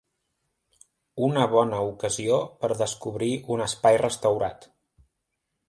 Una bona ocasió per descobrir un espai restaurat.